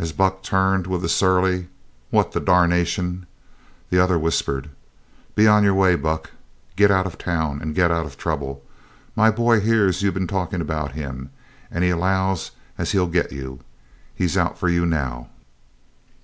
As Buck turned with a surly "What the darnation?" the other whispered: "Be on your way, Buck. Get out of town, and get out of trouble. My boy hears you been talkin' about him, and he allows as how he'll get you. He's out for you now."